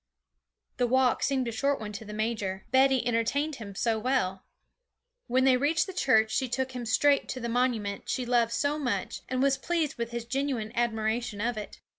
The walk seemed a short one to the major, Betty entertained him so well. When they reached the church, she took him straight to the monument she loved so much, and was pleased with his genuine admiration of it.